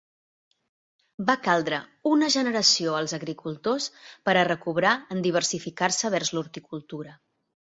Va caldre una generació als agricultors per a recobrar en diversificar-se vers l'horticultura.